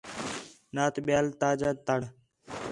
نات ٻِیال تاجا تڑ